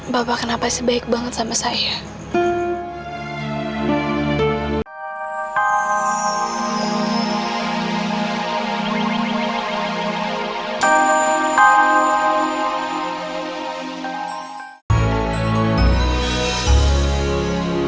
bapak kenapa sebaik banget sama saya